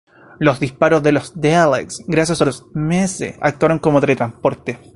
Los disparos de los Daleks gracias a Missy actuaron como teletransporte.